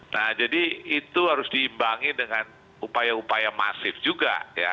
nah jadi itu harus diimbangi dengan upaya upaya masif juga ya